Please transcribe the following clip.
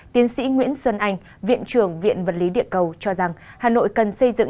tiến sĩ nguyễn xuân anh viện trưởng viện vật lý địa cầu cho rằng hà nội cần xây dựng